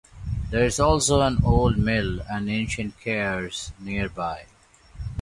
There is also an old mill and ancient cairns nearby.